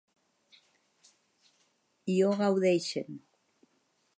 I ho gaudeixen.